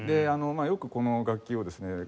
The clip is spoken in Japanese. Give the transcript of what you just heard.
よくこの楽器をですね